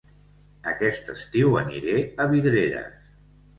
Aquest estiu aniré a Vidreres